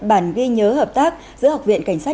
bản ghi nhớ hợp tác giữa học viện cảnh sát